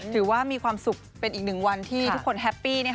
ถือว่ามีความสุขเป็นอีกหนึ่งวันที่ทุกคนแฮปปี้